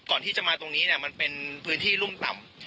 ก่อนที่จะมาตรงนี้เนี่ยมันเป็นพื้นที่รุ่มต่ำ